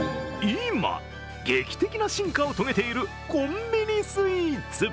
今、劇的な進化を遂げているコンビニスイーツ。